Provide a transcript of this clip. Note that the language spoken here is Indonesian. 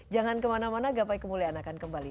jangan kemana mana gapai kemuliaan akan kembali